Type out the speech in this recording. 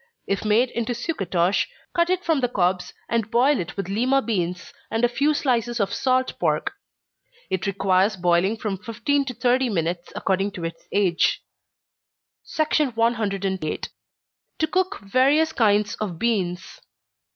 If made into sucatosh, cut it from the cobs, and boil it with Lima beans, and a few slices of salt pork. It requires boiling from fifteen to thirty minutes, according to its age. 108. _To cook various kinds of Beans.